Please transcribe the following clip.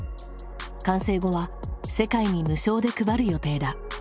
完成後は世界に無償で配る予定だ。